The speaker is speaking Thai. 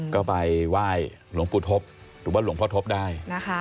ก็ไปไหว้หลวงปู่ทบหรือว่าหลวงพ่อทบได้